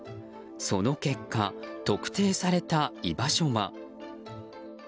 その結果、特定された居場所は。